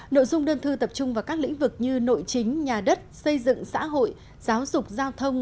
nội dung đơn thư tập trung vào các lĩnh vực như nội chính nhà đất xây dựng xã hội giáo dục giao thông